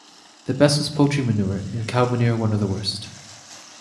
The best was poultry manure, and cow manure one of the worst.